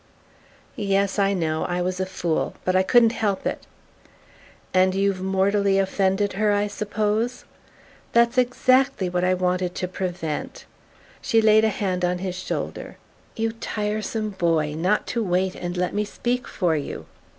"Yes: I know. I was a fool; but I couldn't help it." "And you've mortally offended her, I suppose? That's exactly what I wanted to prevent." She laid a hand on his shoulder. "You tiresome boy, not to wait and let me speak for you!"